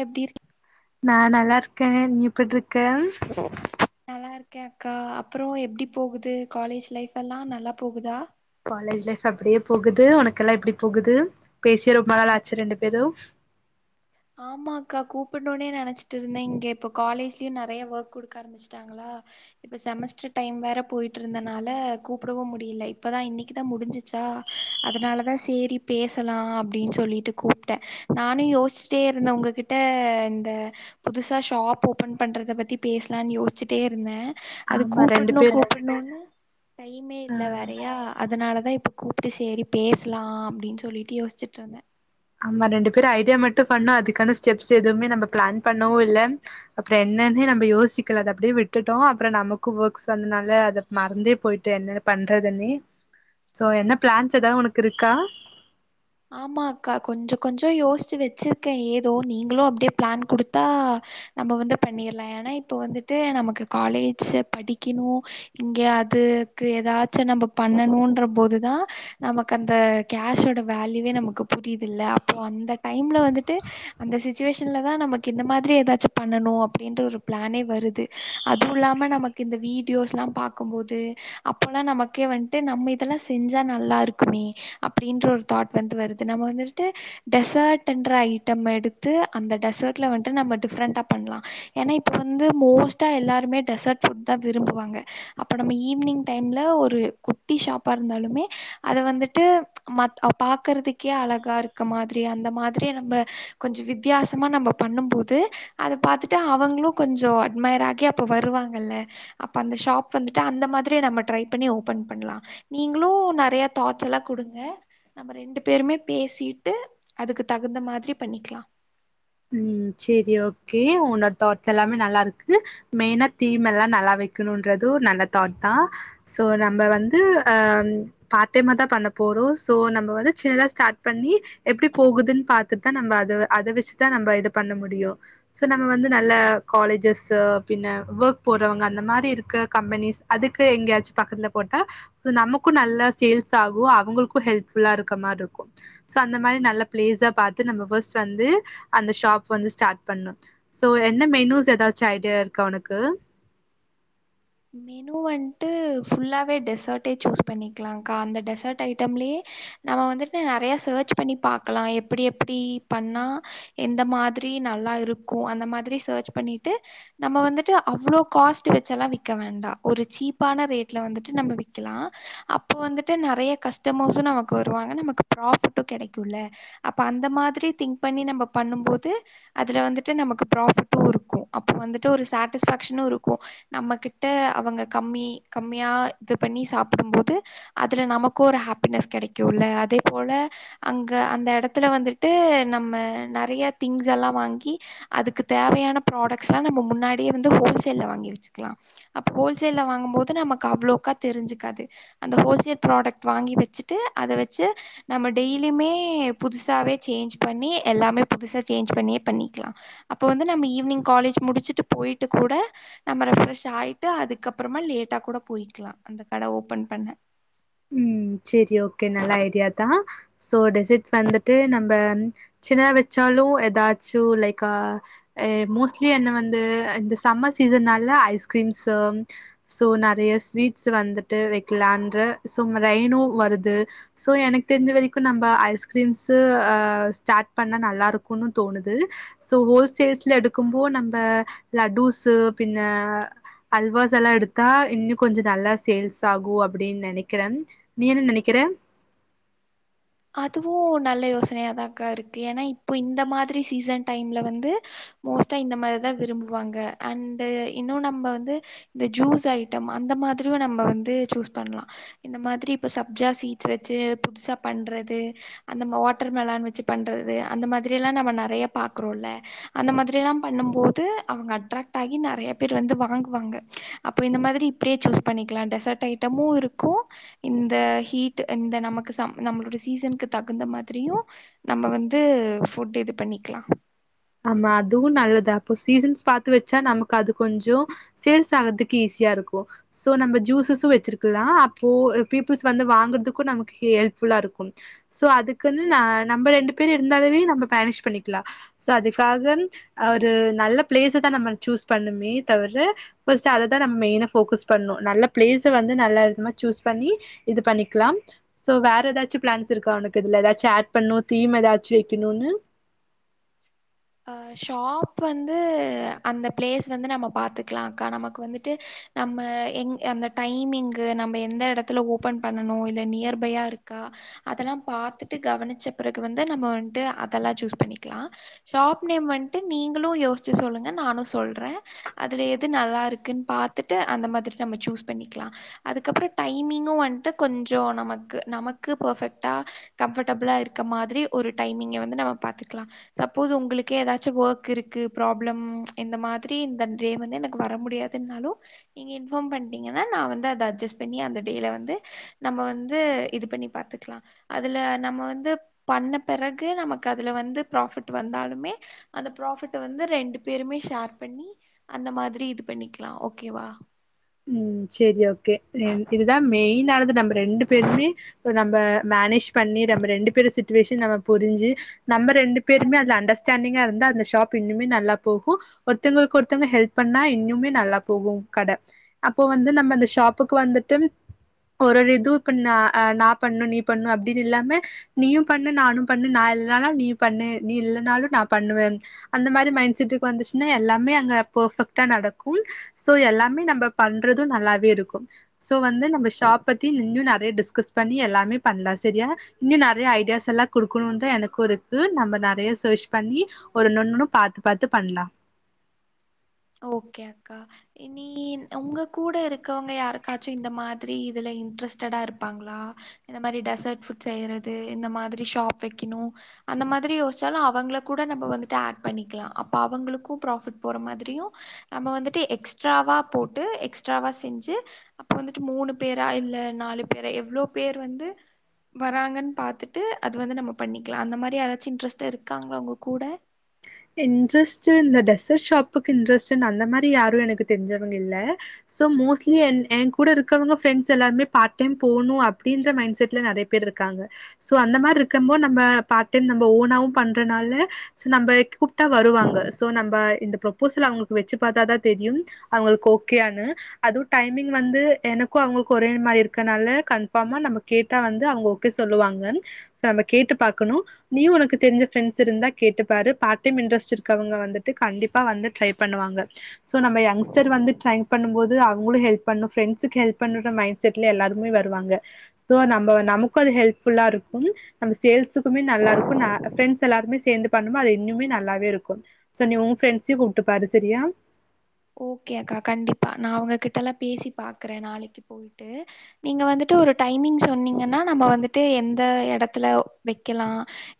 எப்டி இருக் நா நல்லா இருக்கே நீ எப்புட் இருக்க நல்லா இருக்கே அக்கா அப்புறோ எப்படி போகுது காலேஜ் லைஃப் எல்லா நல்லா போகுதா காலேஜ் லைஃப் அப்படியே போகுது உனக்குல்லா எப்டி போகுது பேசியே ரொம்ப நாள் ஆச்சு ரெண்டு பேரு ஆமா அக்கா கூப்புன்னுனே நினைச்சிட்டு இருந்தேன் இங்க இப்ப காலேஜ்லயு நறைய ஒர்க் குடுக்க ஆரம்பிச் டாங்களா இப்ப செமஸ்டர் டைம் வேற போயிட்டு இருந்தனால கூப்பிடவு முடியல இப்பதா இன்னைக்குதா முடிஞ்சிச்சா அதனாலதா சேரி பேசலா அப்படின்னு சொல்லிட்டு கூப்ட்டே நானு யோசிச் சிட்டே இருந்தே உங்ககிட்ட இந்த புதுசா ஷாப் ஓப்பன் பண்றத பத்தி பேசலாம்னு யோச்சிட்டே இருந்தேன் அது ஆமா ரெண்டு கூப்பிட்ணு பேர் கூப்பிட் ணுன்னு டைமே ஆ இல்ல வேறயா அதனாலதா இப்ப கூப்ட்டு சேரி பேசலா அப்படின்னு சொல்லிட்டு யோச்சுட்டு இருந்தே நம்ம ரெண்டு பேரும் ஐடியா மட்டு பண்ணோ அதுக்கான ஸ்டெப்ஸ் எதுவுமே நம்ம பிளான் பண்ணவு இல்ல அப்புறோ என்னான்னே நம்ம யோசிக்கல அத அப்டியே விட்டுட்டோ அப்புற நமக்கு ஒர்க்ஸ் வந்தனால அத மறந்தே போயிட்டே என்னது பண்றதுன்னே சோ என்ன பிளான்ஸ் எதா உனக்கு இருக்கா ஆமா அக்கா கொஞ்ச கொஞ்ச யோசிச்சு வச்சிருக்கேன் ஏதோ நீங்களு அப்படியே பிளான் குடுத்தா நம்ம வந்து பண்ணிர்லா ஏனா இப்ப வந்துட்டு நமக்கு காலேஜ்ஸ்ச படிக்கணு இங்க அதுக்கு எதாச்சு நம்ம பண்ணணும்ன்ற போதுதா நமக்கு அந்த கேஷோட வேல்யூவே நமக்கு புரியுது இல்ல அப்போ அந்த டைம்ல வந்துட்டு அந்த சிச்சுவேஷன்லதா நமக்கு இந்த மாதிரி எதாச்சு பண்ணணு அப்படின்ற ஒரு பிளானே வருது அதுவு இல்லாம நமக்கு இந்த வீடியோஸ்லாம் பாக்கும்போது அப்பன்னா நமக்கே வன்ட்டு நம்ம இதெல்லா செஞ்சா நல்லா இருக்குமே அப்படின்ற ஒரு தாட் வந்து வருது நம்ம வந்துட்டு டெசர்ட்டுன்ற ஐட்டம் எடுத்து அந்த டெசர்ட்ல வந்ட்டு நம்ம டிஃப்ரெண்டா பண்லா ஏனா இப்ப வந்து மோஸ்ட்டா எல்லாருமே டெசர்ட் ஃபுட் தா விரும்புவாங்க அப்ப நம்ம ஈவினிங் டைம்ல ஒரு குட்டி ஷாப்பா இருந்தாலுமே அத வந்துட்டு மத் அத பாக்குறதுக்கே அழகா இருக்க மாதிரி அந்த மாதிரி நம்ம கொஞ்ச வித்தியாசமா நம்ம பண்ணும்போது அது பாத்துட்டு அவங்களு கொஞ்சோ அட்மயர் ஆகி அப்ப வருவாங்கல்ல அப்ப அந்த ஷாப் வந்துட்டு அந்த மாதிரி நம்ம ட்ரை பண்ணி ஓப்பன் பண்லா நீங்களு நறைய தாட்ஸ் எல்லா குடுங்க நம்ம ரெண்டு பேருமே பேசிட்டு அதுக்கு தகுந்த மாதிரி பண்ணிக்கலா ம் சேரி ஓகே உன்னோட தாட்ஸ் எல்லாமே நல்லா இருக்கு மெயினா தீம் எல்லா நல்லா வைக்கணுன்றது நல்ல தாட் தா சோ நம்ப வந்து அ பார்ட் டைமா தான் பண்ண போறோ சோ நம்ம வந்து சின்னதா ஸ்டார்ட் பண்ணி எப்டி போகுதுன்னு பாத்துட்டுதா நம்ம அத அத வச்சுதா நம்ப இது பண்ண முடியு சோ நம்ம வந்து நல்ல காலேஜஸ்ஸு பின்ன வோர்க் போறவங்க அந்த மாறி இருக்க கம்பெனிஸ் அதுக்கு எங்கயாச்சும் பக்கத்துல போட்டா சோ நமக்கு நல்லா சேல்ஸ் ஆகு அவுங்களுக்கு ஹெல்ப்ஃபுல்லா இருக்க மாரி இருக்கு சோ அந்த மாரி நல்ல பிளேஸா பாத்து நம்ம ஃபஸ்ட் வந்து அந்த ஷாப் வந்து ஸ்டார்ட் பண்ணு சோ என்ன மெனூஸ் ஏதாச்சு ஐடியா இருக்கா ஒனக்கு மெனு வன்ட்டு ஃபுல்லாவே டெசர்ட்டே சூஸ் பண்ணிக்கலாக்கா அந்த டெசர்ட் ஐட்டம்லேயே நம்ம வந்துட்டு நறையா சர்ச் பண்ணி பாக்கலா எப்படி எப்படி பண்ணா எந்த மாதிரி நல்லா இருக்கு அந்த மாதிரி சர்ச் பண்ணிட்டு நம்ம வந்துட்டு அவ்ளோ காஸ்ட் வச்சல்லா விக் க வேண்டா ஒரு சீப்பான ரேட்ல வந்துட்டு நம்ம விக்கலா அப்போ வந்துட்டு நறைய கஸ்டமர்ஸ்ஸு நமக்கு வருவாங்க நமக்கு பிராஃபிட்டு கெடைக்குல்ல அப்ப அந்த மாதிரி திங்க் பண்ணி நம்ப பண்ணும் போது அதுல வந்துட்டு நமக்கு பிராஃபிட்டு இருக்கு அப்போ வந்துட்டு ஒரு சாடிஸ்ஃபேக்ஷனு இருக்கு நமக் கிட்ட அவங்க கம்மி கம்மியா இது பண்ணி சாப்பிடும்போது அதுல நமக்கு ஒரு ஹாப்பினஸ் கெடைக்குல்ல அதே போல அங்க அந்த இடத்துல வந்துட்டு நம்ம நறைய திங்ஸ் எல்லா வாங்கி அதுக்கு தேவையான ப்ராடக்ட்ஸ்ல்லா நம்ம முன்னாடியே வந்து ஹோல் சேல்ல வாங்கி வச்சுக்கலா அப்ப ஹோல்சேல்ல வாங்கும் போது நமக்கு அவ்ளோவுக்கா தெரிஞ்சுக்காது அந்த ஹோல்சேல் ப்ராடக்ட் வாங்கி வச்சுட்டு அத வச்சு நம்ம டெய்லியுமே புதுசாவே சேஞ்ச் பண்ணி எல்லாமே புதுசா சேஞ்ச் பண்ணியே பண்ணிக்லா அப்ப வந்து நம்ம ஈவினிங் காலேஜ் முடிச்சுட்டு போயிட்டு கூட நம்ம ரெஃப்ரெஷ் ஆயி ட்டு அதுக்கப்புறமா லேட்டா கூட போயிக்கலா அந்த கட ஓபன் பண்ண ம் சேரி ஓகே நல்ல ஐடியா தா சோ டெசர்ட்ஸ் வந்துட்டு நம்ம சின்னத வச்சாலு ஏதாச்சு லைக் ஆ அ மோஸ்ட்லி என்ன வந்து இந்த சம்மர் சீசன்னால ஐஸ்கிரீம்ஸு சோ நறைய ஸ்வீட்ஸ் வந்துட்டு வைக்கலான்ற சும் ரெய்னு வருது சோ எனக்கு தெரிஞ்ச வரைக்கு நம்ம ஐஸ்கிரீம்ஸ்ஸு அ ஸ்டார்ட் பண்ணா நல்லா இருக்குன்னு தோணுது சோ ஹோல்சேல்ஸ்ல எடுக்கும்போ நம்ப லட்டூஸ்ஸு பின்ன அல்வாஸ் எல்லா எடுத்தா இன்னு கொஞ்சோ நல்லா சேல்ஸ் ஆகு அப்டின்னு நனைக்கிற நீ என்ன நனைக்கிற அதுவு நல்ல யோசனையாதான்க்கா இருக்கு ஏனா இப்போ இந்த மாதிரி சீசன் டைம்ல வந்து மோஸ்ட்டா இந்த மாரிதா விரும்புவாங்க அண்டு இன்னு நம்ம வந்து இந்த ஜூஸ் ஐட்டம் அந்த மாதிரியு நம்ம வந்து சூஸ் பண்லா இந்த மாதிரி இப்ப சப்ஜா சீட்ஸ் வச்சு புதுசா பண்றது அந்தம் வாட்டர் மெலன் வச்சு பண்றது அந்த மாதிரி எல்லா நம்ப நறைய பாக்குறோல்ல அந்த மாதிரி எல்லா பண்ணும் போது அவங்க அட்ராக்ட் ஆகி நறைய பேர் வந்து வாங்குவாங்க அப்போ இந்த மாதிரி இப்டியே சூஸ் பண்ணிக்கலா டெசர்ட் ஐட்டமு இருக்கு இந்த ஹீட் இந்த நமக்கு சம் நம்மளோட சீசனுக்கு தகுந்த மாதிரியு நம்ப வந்து ஃபுட் இது பண்ணிக்கலா ஆமா அதுவு நல்லது அப்போ சீசன்ஸ் பாத்து வச்சா நமக்கு அது கொஞ்சோ சேல்ஸ் ஆகுறதுக்கு ஈஸியா இருக்கு சோ நம்ம ஜூசஸு வச்சிருக்கலா அப்போ பீப்புள்ஸ் வந்து வாங்குறதுக்கு நமக்கு ஹெல்ப்ஃபுல்லா இருக்கு சோ அதுக்குன்னு ந நம்ம ரெண்டு பேரு இருந்தாலவே நம்ம மேனேஜ் பண்ணிக்லா சோ அதுக்காக அ ஒரு நல்ல ப்ளேச தா நம்ம சூஸ் பண்ணுமே தவிர பஸ்ட்டு அதத்தா நம் மெய்னா ஃபோக்கஸ் பண்ணு நல்ல ப்ளேஸ வந்து நல்ல இதமா ச்சூஸ் பண்ணி இது பண்ணிக்லாம் சோ வேற் ஏதாச்சு ப்ளான்ஸ் இருக்கா உனக்கு இதுல ஏதாச்சு ஆட் பண்ணு தீம் ஏதாச்சி வெக்கணுனு அ ஷாப் வந்து அந்த ப்ளேஸ் வந்து நம்ம பாத்துக்லா கா நமக் வந்துட்டு நம்ம எங் அந்த டைமிங்கு நம்ம எந்த எடத்துல ஓப்பன் பண்ணணு இல்லை நியர்பைய இருக்கா அதெல்லா பாத்துட்டு கவனிச்ச பிறகு வந்து நம்ம வந்ட்டு அதல்லா ச்சூஸ் பண்ணிக்கிலா ஷாப் நேம் வந்ட்டு நீங்குளு யோஸ்ச்சு சொல்லுங்க நானு சொல்றே அதுல எது நல்லா இருக்குன் பாத்துட்டு அந்த மாதிரி நம்ம ச்சூஸ் பண்ணிக்கிலா அதுக்கப்றோ டைமிங்கு வந்ட்டு கொஞ்சோ நமக்கு நமக்கு பர்ஃபெக்ட்டா கம்ஃபர்டபுளா இருக்க மாதிரி ஒரு டைமிங்க வந்து நம்ம பாத்துக்லா சப் ப்போஸ் உங்குளுக்கே ஏதாச்சு ஒக் இருக்கு ப்ராப்ளம் இந்த மாதிரி இந்த டே வந்து எனக்கு வர முடியாதுன்னாலு நீங்க இன்ஃபார்ம் பண்டீங்கன்னா நா வந்து அத அஜ்ஜஸ் பண்ணி அந்த டேய்ல வந்து நம்ம வந்து இது பண்ணி பாத்துக்லா அதுல நம்ம வந்து பண்ண பெறகு நமக் அதுல வந்து ப்ராஃபிட் டு வந்தாலுமே அந்த ப்ராஃபிட்ட வந்து ரெண்டு பேருமே ஷேர் பண்ணி அந்த மாதிரி இது பண்ணிக்லா ஓகேவா ம் ச்சேரி ஓகே என் இதுதா மெய்ன்னானது நம்பு ரெண்டு பேருமே ஒ நம்ப மேனேஜ் பண்ணி நம் ரெண்டு பேரு சிட்டுவேஷன் நம்ம புரிஞ்சி நம்ம ரெண்டு பேருமே அதுல அண்டஸ்டாண்டிங்கா இருந்தா அந்த ஷாப் இன்னுமே நல்லா போஹு ஒருத்தங்ளுக் ஒருத்தவங்க ஹெல்ப் பண்ணா இன்யுமே நல்லா போகு கட அப்போ வந்து நம்ம அந்த ஷாப்புக்கு வந்துட்டும் ஒருரு இதூ இப்ப நா அ நா பண்ண நீ பண்ணு அப்டின்னு இல்லாம நீயு பண்ணு நானு பண்ணு நா இல்னாலா நீயு பண்ணு நீ இல்லனாலு நா பண்ணுவன் அந்த மாரி மைண் செட்டுக்கு வந்துச்சுன்னா எல்லாமே அங்க பொஃபெக்ட்டா நடக்கும் சோ எல்லாமே நம்ப பண்றது நல்லாவே இருக்கும் சோ வந்து நம்ம ஷாப் பத்தி இன்னு நறே டிஸ்கஸ் பண்ணி எல்லாமே பண்லா சரியா இன்னு நறையா ஐடியாஸ் எல்லா குடுக்குணுனுதா எனக் ஒருக்கு நம்ம நறையா சஷ் பண்ணி ஒரு நொண்ணுனு பாத்து பாத்து பண்லா அ ஓகே அக்கா இனின் உங்க கூட இருக்கவங்க யாருக்காச்சு இந்த மாத்ரி இதுல இன்ட்ரெஸ்ட்டடா இருப்பாங்ளா இந்ந மாரி டெசட் ஃபுட் செய்யறது இந்த மாதிரி ஷாப் வெக்கிணு அந்த மாதிரி யோசிச்சாலு அவங்கள கூட நம்ப வந்துட்டு ஆட் பண்ணிக்லா அப்பா அவங்களுக்கு ப்ராஃபிட் போற மாதிரியு நம்ம வந்துட்டு எக்ஸ்ட்ராவா போட்டு எக்ஸ்ட்ராவா செஞ்சு அப்போ வந்துட்டு மூணு பேரா இல்லே நாலு பேரா எவ்ளோ பேர் வந்து வராங்கன் பாத்துட்டு அது வந்து நம்ம பண்ணிக்லா அந்த மாரி யாராச்சு இன்ட்ரெஸ்ட்டா இருக்காங்ளா உங்க கூட இன்ட்ரெஸ்ட்டு இந்த டெச ஷாப்புக்கு இன்ட்ரெஸ்ஸுன் அந்த மாரி யாரு எனக்கு தெர்ஞ்சவங் இல்லே சோ மோஸ்ட்லி என் ஏ கூட இருக்கவங்க ஃப்ரெண்ஸ் எல்லாருமே பார் டைம் போனு அப்டின்ற மைண் செட்ல நறேப் பெர் இருக்காங்க சோ அந்த மாரி இருக்கம்போ நம்ப பார் டைம் நம்ப ஓனாவு பண்றனால சோ நம்பேக் கூப்ட்டா வருவாங்க ஸோ நம்ப இந்த ப்ரோப்போசல் அவ்ங்ளுக்கு வெச்சு பாத்தாதா தெரியும் அவங்கள்க் ஓகே யானு அதூ டைமிங் வந்து எனக்கு அவ்ங்ளுக்கு ஒரே மாரி இருக்கனால கன்ஃபாமா நம்ப கேப் டா வந்து அவங்க ஓகே சொல்லுவாங்கம் சோ நம்ம கேட்டு பாக்கணு நீயு உனக்கு தெரிஞ்ச ஃப்ரெண்ஸ் இருந்தா கேட்டுப்பாரு பாக் பார்டைம் இன்ட்ரெஸ்ட் இருக்கவங்க வந்துட்டு கண்டிப்பா வந்து ட்ரை பண்ணுவாங்க சோ நம்ம யங்க்ஸ்டர் வந்து ட்ரை பண்ணு போது அவங்களு ஹெல்ப் பண்ணு ஃப்ரெண்ஸ்ஸுக்கு ஹெல்ப் பண்ணுன்ற மைண்ட் செட்ல எல்லாருமே வருவாங்க சோ நம்ப நமக்கு அது ஹெல்ப் ஃபுல்லா இருக்கும் நம்ப சேல்ஸுக்குமே நல்லா இருக்கு நா ஃப்ரெண்ட்ஸ் எல்லாருமே சேந்து பண்ணோம அது இன்னுமே நல் நல்லாவே இருக்கு சோ நீ உ ஃப்ரெண்ஸையு கூப்ட்டு பாரு செரியா ஓகே அக்கா கண்டிப்பா நா அவங்ககிட்டல்லா பேசி பாக்குறே நாளைக்கு போய்ட்டு நீங்க வந்துட்டு ஒரு டைமிங் சொன்னீங்கன்னா நம்ம வந்துட்டு எந்த எடத்துல வைக்கலா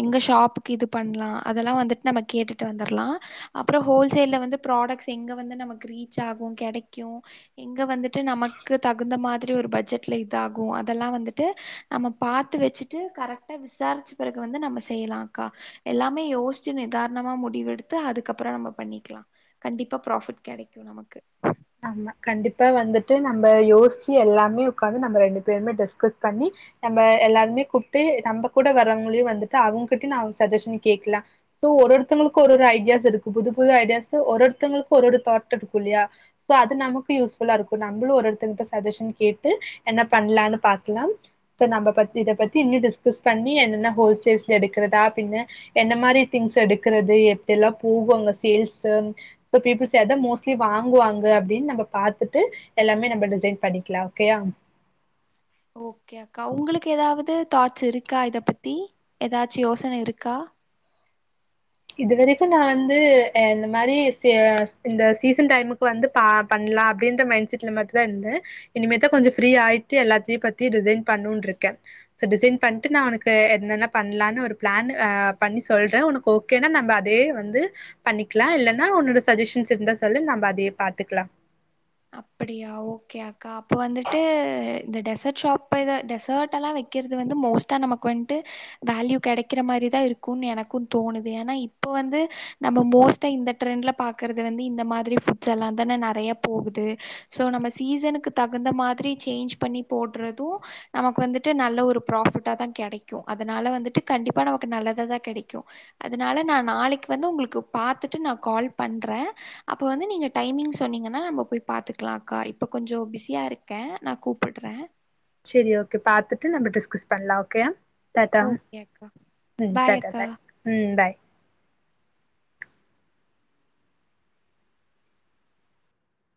எங்க ஷாப்புக்கு இது பண்லா அதெல்லா வந்துட்டு நம்ம கேட்டுட்டு வந்துர்லா அப்பறோ ஹோல்சேல்ல வந்து ப்ராடக்ட்ஸ் எங்க வந்து நமக்கு ரீச் ஆகு கெடைக்கு எங்க வந்துட்டு நமக்கு தகுந்த மாதிரி ஒரு பட்ஜெட்ல இதாகு அதெல்லா வந்துட்டு நம்ம பாத்து வச்சுட்டு கரெக்டா விசாரிச்ச பிறகு வந்து நம்ம செய்யலா அக்கா எல்லாமே யோசிச்சு நிதார்ணமா முடிவெடுத்து அதுக்கப்பறோ நம்ம பண்ணிக்கலா கண்டிப்பா ப்ராஃபிட் கெடைக்கு நமக்கு ஆமா கண்டிப்பா வந்துட்டு நம்ம யோசிச்சு எல்லாமே உக்காந்து நம்ம ரெண்டு பேருமே டிஸ்கஸ் பண்ணி நம்ம எல்லாருமே கூப்ட்டு நம்ம கூட வரவங்களையு வந்துட்டு அவங்ககிட்டயு நா சஜஷன் கேக்கலா சோ ஒரு ஒருத்தங்களுக்கு ஒரு ஒரு ஐடியாஸ் இருக்கும் புது புது ஐடியாஸ் ஒரு ஒருத்தங்களுக்கு ஒரு ஒரு தாட் இருக்கும் இல்லையா சோ அது நமக்கு யூஸ்ஃபுல்லா இருக்கும் நம்மளும் ஒருத்தத்துங்கிட்ட சஜஷன் கேட்டு என்ன பண்லானு பாக்கலா ஸோ நம்ம பத்தி இத பத்தி இன்னு டிஸ்கஸ் பண்ணி என்னென்ன ஹோல்சேல்ஸ்ல எடுக்கிறதா பின்னு என்ன மாரி திங்ஸ் எடுக்கறது எப்டில்லா போகு அங்க சேல்ஸூ சோ பீப்பில்ஸ் அதா மோஸ்லி வாங்குவாங்க தா அப்டின்னு நம்ம பாத்துட்டு எல்லாமே நம்ம டிசைட் பண்ணிக்கலா ஓகேயா ஓகே அக்கா உங்களுக்கு எதாவது தாட்ஸ் இருக்கா இத பத்தி எதாச்சு யோசன இருக்கா இது வரைக்கு நா வந்து இந்த மாரி இந்த சீசன் டைமுக்கு வந்து ப பண்லா அப்டின்ற மைண்ட் செட்ல மட்டுந்தா இருந்தே இனிமேதா கொஞ்ச ப்ரீ ஆயிட்டு எல்லாத்தையு பத்தி டிசைன் பண்னும்னு இருக்கே ஸோ டிசைன் பண்ட்டு நா உனக்கு என்னென்ன பண்லா ஒரு பிளான் பண்ணி சொல்றே ஒனக்கு ஓகே ஓகே னா நம்ம அதே வந்து பண்ணிக்கலா இல்லேன்னா உன்னோட சஜ்ஜஷன்ஸ் இருந்தா சொல்லு நம்ம அதையே பாத்துக்கலா அப்படியா ஓகே அக்கா அப்ப வந்துட்டு இந்த டெசர்ட் ஷாப் இப்ப இத டெசர்ட்டெல்லா வைக்கிறது வந்து மோஸ்ட்டா நமக்கு வந்ட்டு வேல்யூ கெடைக்கிற மாரிதா இருக்குன்னு எனக்கும் தோணுது ஏன்னா இப்ப வந்து நம்ம மோஸ்ட் டா இந்த ட்ரெண்ட்ல பாக்கறது வந்து இந்த மாதிரி ஃபுட்ஸ் எல்லாந்தானே நறையா போகுது சோ நம்ம சீசனுக்கு தகுந்த மாதிரி சேஞ்ச் பண்ணி போட்றது நமக்கு வந்துட்டு நல்ல ஒரு ப்ராஃபிட்டாதா கெடைக்கு அதனால வந்துட்டு கண்டிப்பா நமக்கு நல்லதாதா கெடைக்கு அதுனால நா நாளைக்கு வந்து உங்களுக்கு பாத்துட்டு நா கால் பண்றே அப்ப வந்து நீங்க டைமிங் சொன்னீங்கனா நம்ம போய் பாத்துக்கலா அக்கா இப்போ கொஞ்சோ பிஸியா இருக்கே நா கூப்புட்றே சேரி ஓகே பாத்துட்டு நம்ம டிஸ்கஸ் பண்லா ஓகேயா டாட்டா ஓகே அக்கா ம் டாட்டா பாய் ம் பாய்